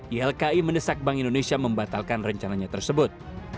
ylki mendesak bank indonesia membatalkan rencananya tersebut